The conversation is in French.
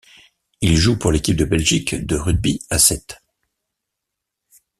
Il joue pour l'équipe de Belgique de rugby à sept.